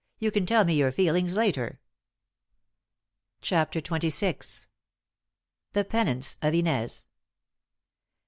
You can tell me your feelings later." CHAPTER XXVI. THE PENANCE OF INEZ.